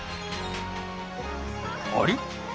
あれ？